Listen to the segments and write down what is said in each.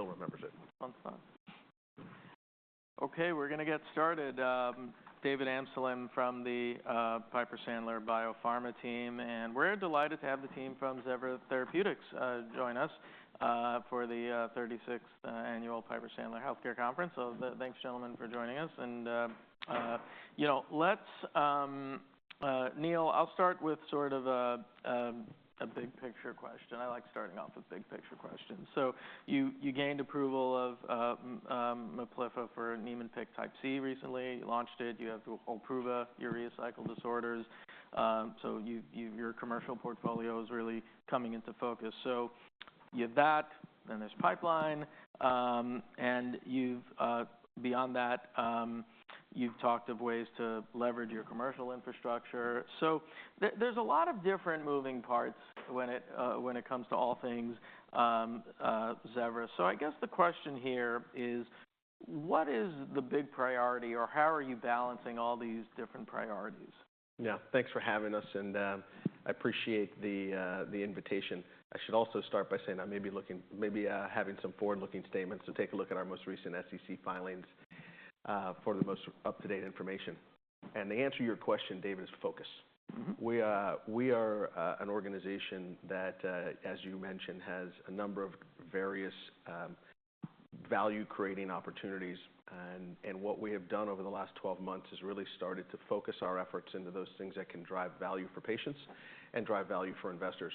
She still remembers it. Okay, we're going to get started. David Amsellem from the Piper Sandler biopharma team, and we're delighted to have the team from Zevra Therapeutics join us for the 36th Annual Piper Sandler Healthcare Conference. So thanks, gentlemen, for joining us. And let's, Neil, I'll start with sort of a big picture question. I like starting off with big picture questions. So you gained approval of Miplyffa for Niemann-Pick type C recently. You launched it. You have Olpruva for urea cycle disorders. So your commercial portfolio is really coming into focus. So you have that, then there's pipeline. And beyond that, you've talked of ways to leverage your commercial infrastructure. So there's a lot of different moving parts when it comes to all things Zevra. So I guess the question here is, what is the big priority or how are you balancing all these different priorities? Yeah, thanks for having us, and I appreciate the invitation. I should also start by saying I may be having some forward-looking statements. So take a look at our most recent SEC filings for the most up-to-date information. And to answer your question, David, is focus. We are an organization that, as you mentioned, has a number of various value-creating opportunities. And what we have done over the last 12 months is really started to focus our efforts into those things that can drive value for patients and drive value for investors.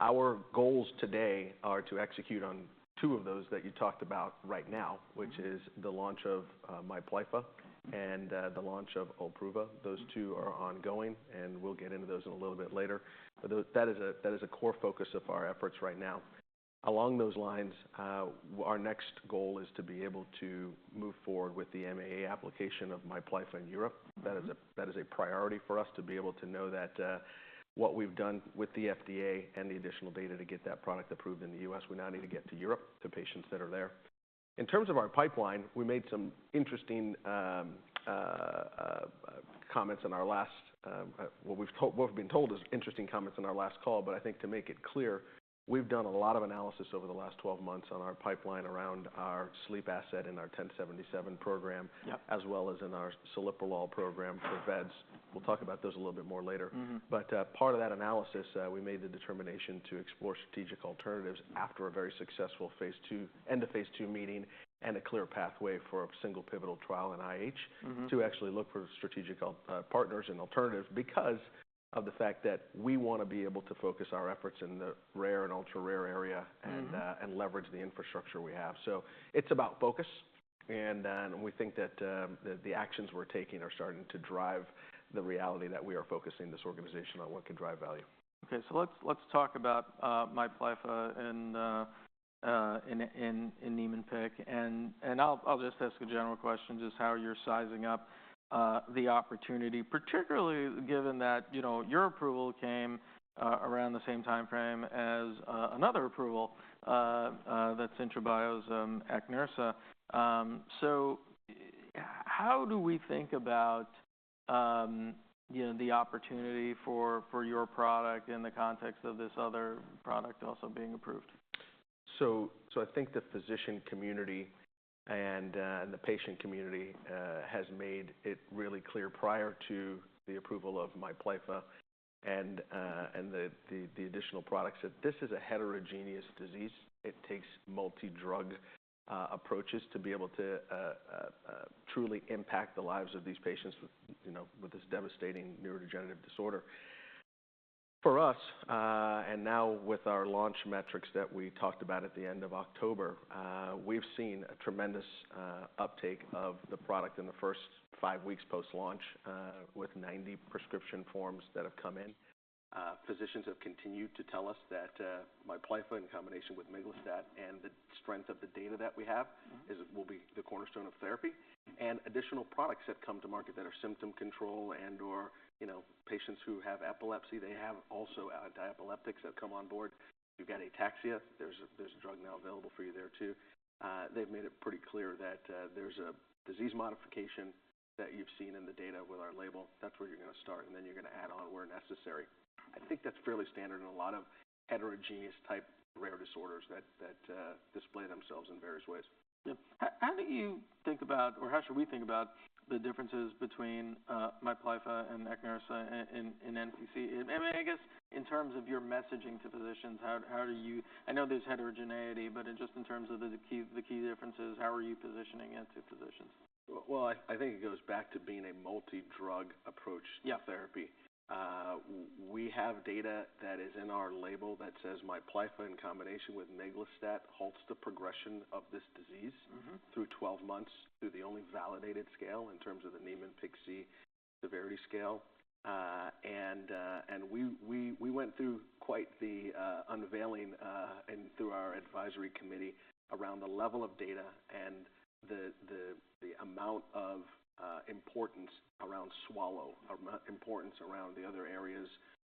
Our goals today are to execute on two of those that you talked about right now, which is the launch of Miplyffa and the launch of Olpruva. Those two are ongoing, and we'll get into those in a little bit later. But that is a core focus of our efforts right now. Along those lines, our next goal is to be able to move forward with the MAA application of Miplyffa in Europe. That is a priority for us to be able to know that what we've done with the FDA and the additional data to get that product approved in the US, we now need to get to Europe, to patients that are there. In terms of our pipeline, we made some interesting comments in our last call, what we've been told is interesting comments in our last call. But I think to make it clear, we've done a lot of analysis over the last 12 months on our pipeline around our sleep asset and our 1077 program, as well as in our celiprolol program for vEDS. We'll talk about those a little bit more later. But part of that analysis, we made the determination to explore strategic alternatives after a very successful end of Phase 2 meeting and a clear pathway for a single pivotal trial in IH to actually look for strategic partners and alternatives because of the fact that we want to be able to focus our efforts in the rare and ultra-rare area and leverage the infrastructure we have. So it's about focus, and we think that the actions we're taking are starting to drive the reality that we are focusing this organization on what can drive value. Okay, so let's talk about Miplyffa and Niemann-Pick. And I'll just ask a general question, just how you're sizing up the opportunity, particularly given that your approval came around the same timeframe as another approval that's IntraBio's Aqneursa. So how do we think about the opportunity for your product in the context of this other product also being approved? I think the physician community and the patient community has made it really clear prior to the approval of Miplyffa and the additional products that this is a heterogeneous disease. It takes multi-drug approaches to be able to truly impact the lives of these patients with this devastating neurodegenerative disorder. For us, and now with our launch metrics that we talked about at the end of October, we've seen a tremendous uptake of the product in the first five weeks post-launch with 90 prescription forms that have come in. Physicians have continued to tell us that Miplyffa, in combination with Migalastat, and the strength of the data that we have will be the cornerstone of therapy. And additional products have come to market that are symptom control and/or patients who have epilepsy, they have also anti-epileptics that come on board. You've got ataxia. There's a drug now available for you there too. They've made it pretty clear that there's a disease modification that you've seen in the data with our label. That's where you're going to start, and then you're going to add on where necessary. I think that's fairly standard in a lot of heterogeneous type rare disorders that display themselves in various ways. Yeah. How do you think about, or how should we think about the differences between Miplyffa and Aqneursa in NPC? I mean, I guess in terms of your messaging to physicians, how do you, I know there's heterogeneity, but just in terms of the key differences, how are you positioning it to physicians? I think it goes back to being a multi-drug approach to therapy. We have data that is in our label that says Miplyffa, in combination with Miglustat, halts the progression of this disease through 12 months through the only validated scale in terms of the Niemann-Pick C severity scale. And we went through quite the unveiling and through our advisory committee around the level of data and the amount of importance around swallow, importance around the other areas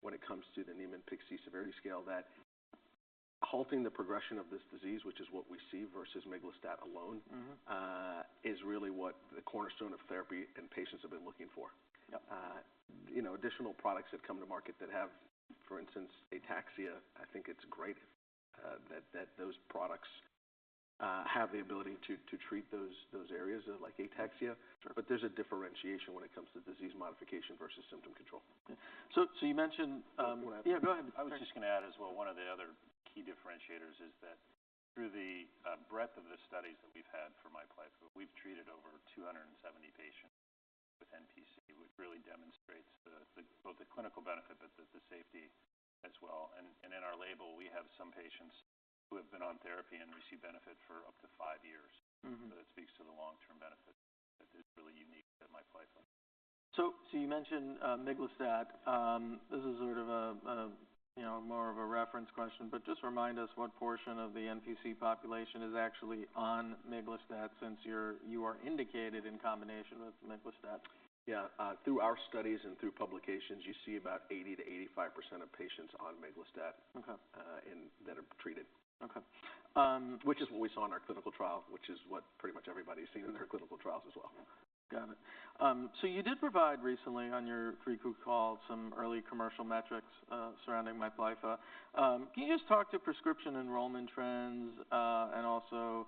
when it comes to the Niemann-Pick C Severity Scale, that halting the progression of this disease, which is what we see versus Miglustat alone, is really what the cornerstone of therapy and patients have been looking for. Additional products have come to market that have, for instance, ataxia. I think it's great that those products have the ability to treat those areas like ataxia. But there's a differentiation when it comes to disease modification versus symptom control. So you mentioned, yeah, go ahead. I was just going to add as well, one of the other key differentiators is that through the breadth of the studies that we've had for Miplyffa, we've treated over 270 patients with NPC, which really demonstrates both the clinical benefit but the safety as well. And in our label, we have some patients who have been on therapy and received benefit for up to five years. That speaks to the long-term benefit that is really unique to Miplyffa. So you mentioned Miglustat. This is sort of more of a reference question, but just remind us what portion of the NPC population is actually on Miglustat since you are indicated in combination with Miglustat? Yeah. Through our studies and through publications, you see about 80%-85% of patients on Miglustat that are treated, which is what we saw in our clinical trial, which is what pretty much everybody's seen in their clinical trials as well. Got it. So you did provide recently on your third quarter call some early commercial metrics surrounding Miplyffa. Can you just talk to prescription enrollment trends and also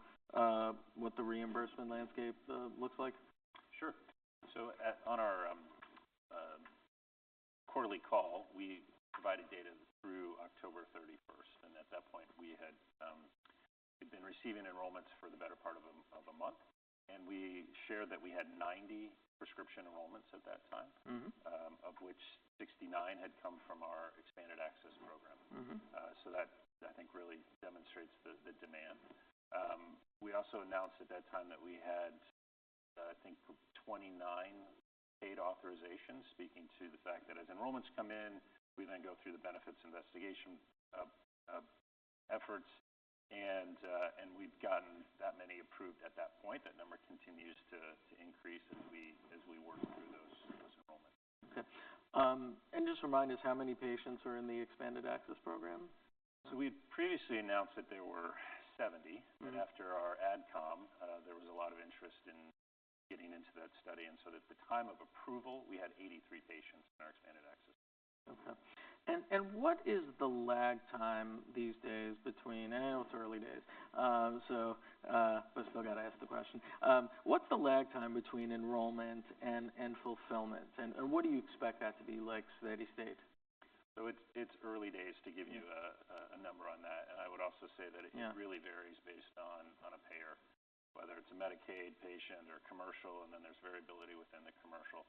what the reimbursement landscape looks like? Sure, so on our quarterly call, we provided data through October 31st, and at that point, we had been receiving enrollments for the better part of a month, and we shared that we had 90 prescription enrollments at that time, of which 69 had come from our expanded access program, so that, I think, really demonstrates the demand. We also announced at that time that we had, I think, 29 paid authorizations, speaking to the fact that as enrollments come in, we then go through the benefits investigation efforts, and we've gotten that many approved at that point. That number continues to increase as we work through those enrollments. Okay, and just remind us, how many patients are in the expanded access program? So we previously announced that there were 70. But after our AdCom, there was a lot of interest in getting into that study. And so at the time of approval, we had 83 patients in our expanded access. Okay. And what is the lag time these days between, and I know it's early days, but I still got to ask the question. What's the lag time between enrollment and fulfillment? And what do you expect that to be like steady state? So it's early days to give you a number on that. And I would also say that it really varies based on a payer, whether it's a Medicaid patient or commercial, and then there's variability within the commercial.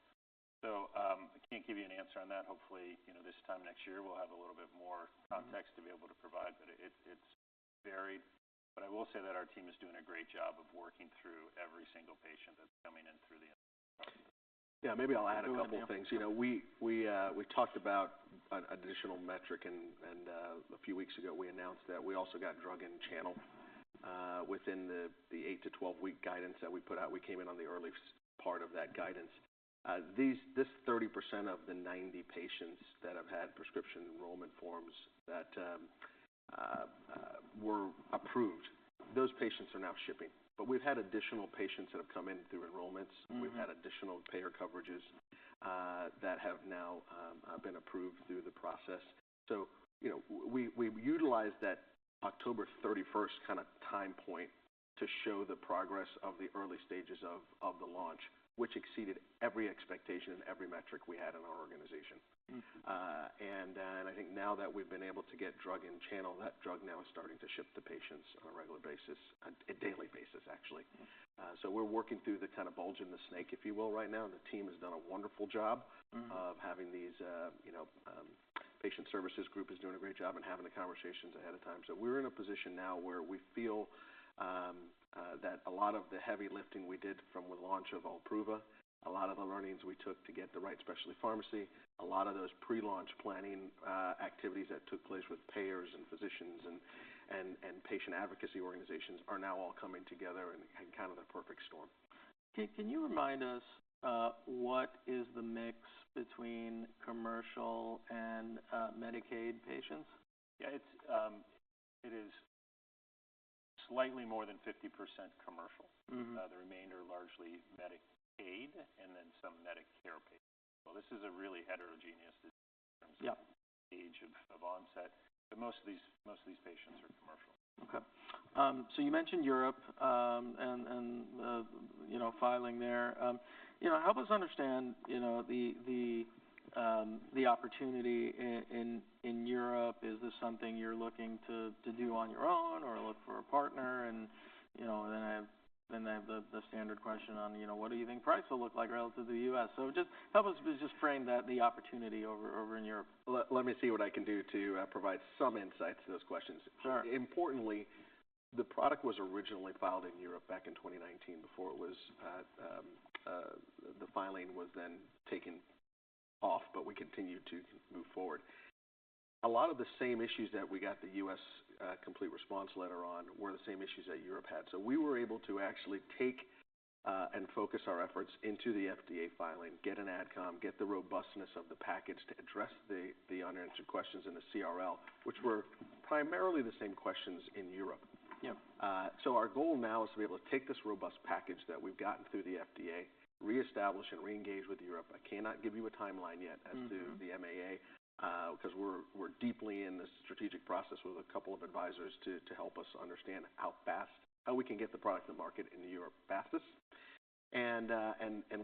So I can't give you an answer on that. Hopefully, this time next year, we'll have a little bit more context to be able to provide, but it's varied. But I will say that our team is doing a great job of working through every single patient that's coming in through the enrollment. Yeah, maybe I'll add a couple of things. We talked about an additional metric, and a few weeks ago, we announced that we also got drug in channel within the 8- to 12-week guidance that we put out. We came in on the early part of that guidance. This 30% of the 90 patients that have had prescription enrollment forms that were approved, those patients are now shipping. But we've had additional patients that have come in through enrollments. We've had additional payer coverages that have now been approved through the process. So we utilized that October 31st kind of time point to show the progress of the early stages of the launch, which exceeded every expectation and every metric we had in our organization. I think now that we've been able to get drug in channel, that drug now is starting to ship to patients on a regular basis, a daily basis, actually. We're working through the kind of bulge in the snake, if you will, right now. The team has done a wonderful job. The patient services group is doing a great job and having the conversations ahead of time. We're in a position now where we feel that a lot of the heavy lifting we did from the launch of Olpruva, a lot of the learnings we took to get the right specialty pharmacy, a lot of those pre-launch planning activities that took place with payers and physicians and patient advocacy organizations are now all coming together and kind of the perfect storm. Can you remind us what is the mix between commercial and Medicaid patients? Yeah, it is slightly more than 50% commercial. The remainder are largely Medicaid and then some Medicare patients. So this is a really heterogeneous in terms of age of onset. But most of these patients are commercial. Okay. So you mentioned Europe and filing there. Help us understand the opportunity in Europe. Is this something you're looking to do on your own or look for a partner? And then I have the standard question on what do you think price will look like relative to the US? So just help us frame the opportunity over in Europe. Let me see what I can do to provide some insights to those questions. Importantly, the product was originally filed in Europe back in 2019 before the filing was then taken off, but we continued to move forward. A lot of the same issues that we got the U.S. complete response letter on were the same issues that Europe had. So we were able to actually take and focus our efforts into the FDA filing, get an AdCom, get the robustness of the package to address the unanswered questions in the CRL, which were primarily the same questions in Europe. So our goal now is to be able to take this robust package that we've gotten through the FDA, reestablish and reengage with Europe. I cannot give you a timeline yet as to the MAA because we're deeply in the strategic process with a couple of advisors to help us understand how fast we can get the product to market in Europe fastest, and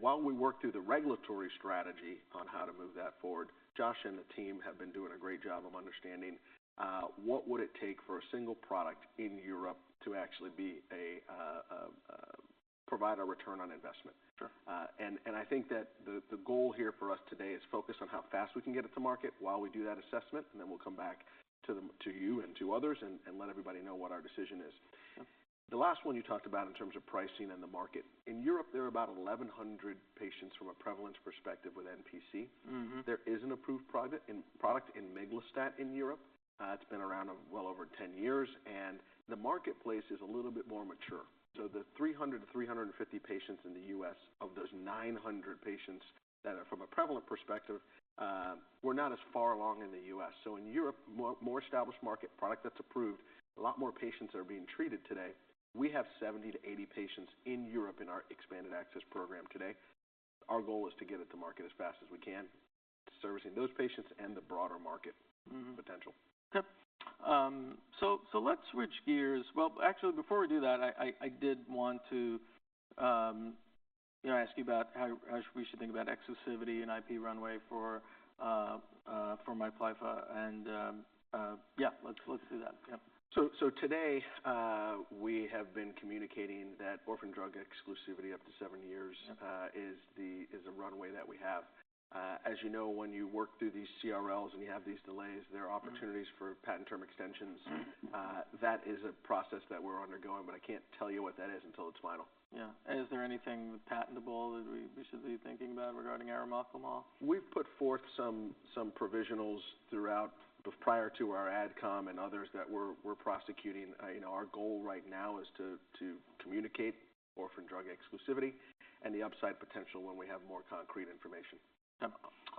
while we work through the regulatory strategy on how to move that forward, Josh and the team have been doing a great job of understanding what would it take for a single product in Europe to actually provide a return on investment, and I think that the goal here for us today is focus on how fast we can get it to market while we do that assessment, and then we'll come back to you and to others and let everybody know what our decision is. The last one you talked about in terms of pricing and the market. In Europe, there are about 1,100 patients from a prevalence perspective with NPC. There is an approved product in Miglustat in Europe. It's been around well over 10 years, and the marketplace is a little bit more mature. So the 300-350 patients in the U.S. of those 900 patients that are from a prevalent perspective, we're not as far along in the U.S. So in Europe, more established market product that's approved, a lot more patients that are being treated today. We have 70-80 patients in Europe in our expanded access program today. Our goal is to get it to market as fast as we can, servicing those patients and the broader market potential. Okay. Let's switch gears. Actually, before we do that, I did want to ask you about how we should think about exclusivity and IP runway for Miplyffa. Yeah, let's do that. Yeah. Today, we have been communicating that Orphan drug exclusivity up to seven years is the runway that we have. As you know, when you work through these CRLs and you have these delays, there are opportunities for patent term extensions. That is a process that we're undergoing, but I can't tell you what that is until it's final. Yeah. Is there anything patentable that we should be thinking about regarding arimoclomol? We've put forth some provisionals throughout prior to our AdCom and others that we're prosecuting. Our goal right now is to communicate orphan drug exclusivity and the upside potential when we have more concrete information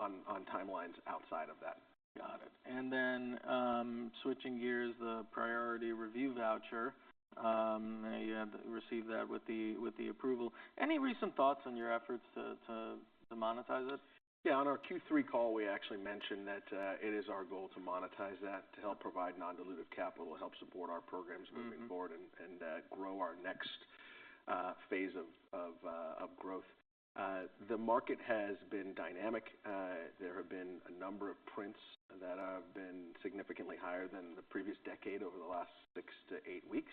on timelines outside of that. Got it. And then switching gears, the Priority Review Voucher, you had received that with the approval. Any recent thoughts on your efforts to monetize it? Yeah. On our Q3 call, we actually mentioned that it is our goal to monetize that to help provide non-dilutive capital, help support our programs moving forward, and grow our next phase of growth. The market has been dynamic. There have been a number of prints that have been significantly higher than the previous decade over the last six to eight weeks,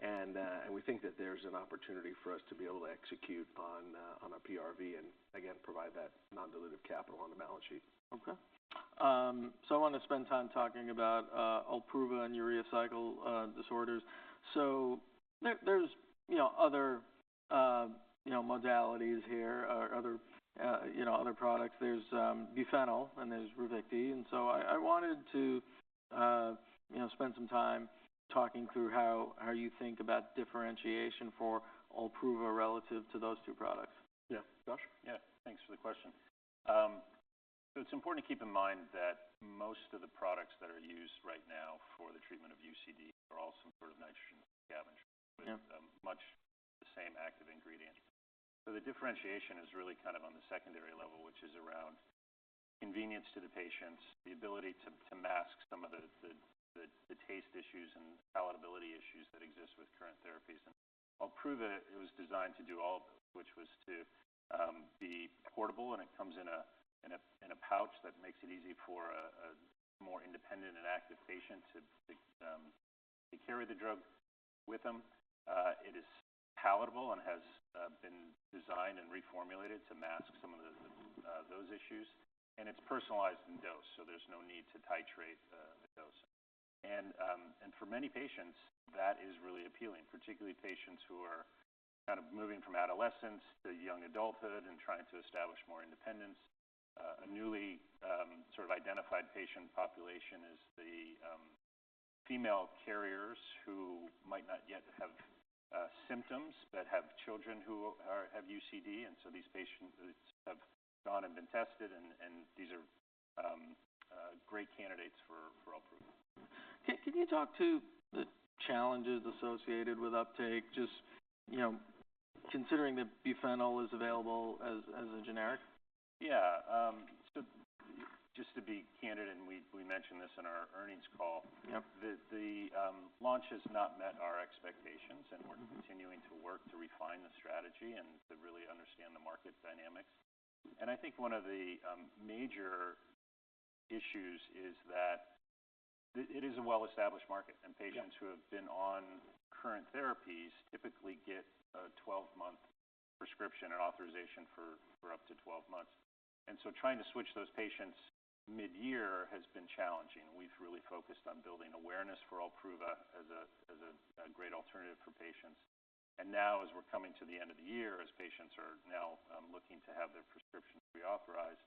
and we think that there's an opportunity for us to be able to execute on a PRV and, again, provide that non-dilutive capital on the balance sheet. Okay. So I want to spend time talking about Olpruva and urea cycle disorders. So there's other modalities here, other products. There's Buphenyl and there's Ravicti. And so I wanted to spend some time talking through how you think about differentiation for Olpruva relative to those two products. Yeah. Josh? Yeah. Thanks for the question. So it's important to keep in mind that most of the products that are used right now for the treatment of UCD are all some sort of nitrogen scavenger, but much the same active ingredient. So the differentiation is really kind of on the secondary level, which is around convenience to the patients, the ability to mask some of the taste issues and palatability issues that exist with current therapies, and Olpruva, it was designed to do all of those, which was to be portable, and it comes in a pouch that makes it easy for a more independent and active patient to carry the drug with them. It is palatable and has been designed and reformulated to mask some of those issues, and it's personalized in dose, so there's no need to titrate the dose. And for many patients, that is really appealing, particularly patients who are kind of moving from adolescence to young adulthood and trying to establish more independence. A newly sort of identified patient population is the female carriers who might not yet have symptoms but have children who have UCD. And so these patients have gone and been tested, and these are great candidates for Olpruva. Can you talk to the challenges associated with uptake, just considering that Buphenyl is available as a generic? Yeah. So just to be candid, and we mentioned this in our earnings call, the launch has not met our expectations, and we're continuing to work to refine the strategy and to really understand the market dynamics. I think one of the major issues is that it is a well-established market, and patients who have been on current therapies typically get a 12-month prescription and authorization for up to 12 months. So trying to switch those patients mid-year has been challenging. We've really focused on building awareness for Olpruva as a great alternative for patients. Now, as we're coming to the end of the year, as patients are now looking to have their prescriptions reauthorized,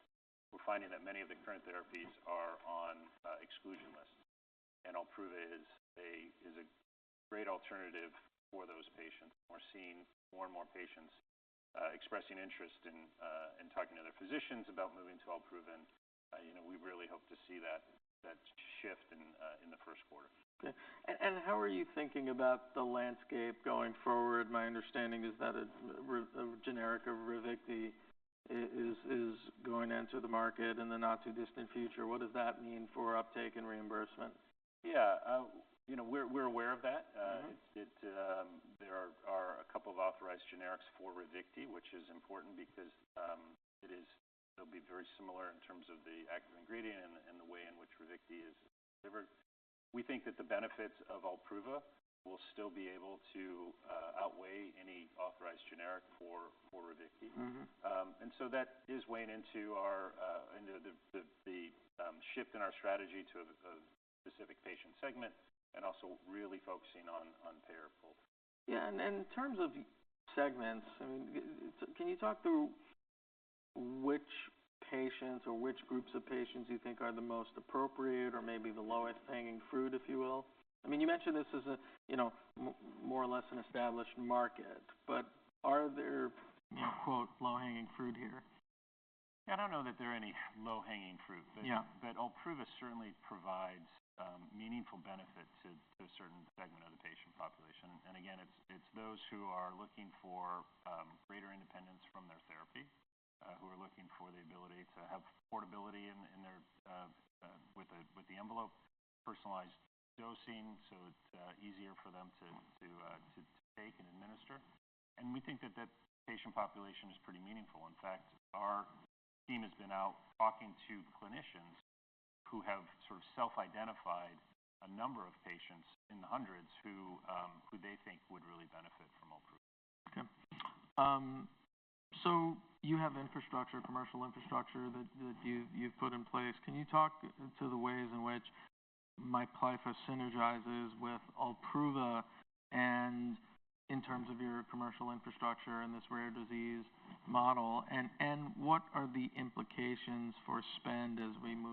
we're finding that many of the current therapies are on exclusion lists. Olpruva is a great alternative for those patients. We're seeing more and more patients expressing interest in talking to their physicians about moving to Olpruva. We really hope to see that shift in the first quarter. Okay. And how are you thinking about the landscape going forward? My understanding is that a generic of Ravicti is going into the market in the not-too-distant future. What does that mean for uptake and reimbursement? Yeah. We're aware of that. There are a couple of authorized generics for Ravicti, which is important because it'll be very similar in terms of the active ingredient and the way in which Ravicti is delivered. We think that the benefits of Olpruva will still be able to outweigh any authorized generic for Ravicti. And so that is weighing into the shift in our strategy to a specific patient segment and also really focusing on payer pool. Yeah, and in terms of segments, I mean, can you talk through which patients or which groups of patients you think are the most appropriate or maybe the lowest-hanging fruit, if you will? I mean, you mentioned this is more or less an established market, but are there, quote, low-hanging fruit here? I don't know that there are any low-hanging fruit, but Olpruva certainly provides meaningful benefit to a certain segment of the patient population. And again, it's those who are looking for greater independence from their therapy, who are looking for the ability to have portability with the envelope, personalized dosing, so it's easier for them to take and administer. And we think that that patient population is pretty meaningful. In fact, our team has been out talking to clinicians who have sort of self-identified a number of patients in the hundreds who they think would really benefit from Olpruva. Okay. So you have infrastructure, commercial infrastructure that you've put in place. Can you talk to the ways in which Miplyffa synergizes with Olpruva in terms of your commercial infrastructure and this rare disease model? And what are the implications for spend as we.